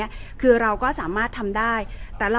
แต่ว่าสามีด้วยคือเราอยู่บ้านเดิมแต่ว่าสามีด้วยคือเราอยู่บ้านเดิม